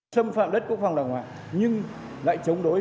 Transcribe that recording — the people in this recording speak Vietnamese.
xâm phạm đất quốc phòng đảo ngoại nhưng lại chống đối